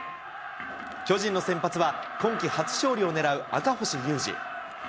巨人の先発は今季初勝利を狙う赤星優志。